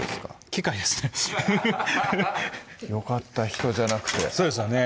機械ですよかった人じゃなくてそうですよね